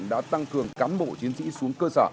đã tăng cường cán bộ chiến sĩ xuống cơ sở